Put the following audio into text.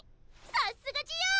さすがジオ！